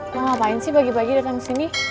mau ngapain sih pagi pagi dateng kesini